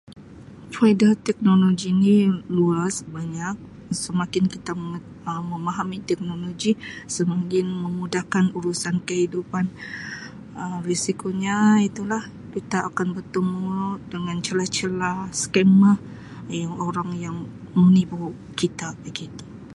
Faedah teknologi ni luas banyak semakin kita Um memahami teknologi semakin memudahkan urusan kehidupan Um risikonya itu lah kita akan bertemu dengan celah-celah scammer yang urang yang menipu kita begitu.